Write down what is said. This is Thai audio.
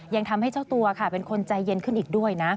ยังทำให้เจ้าตัวค่ะเป็นคนใจเย็นขึ้นอีกด้วยนะ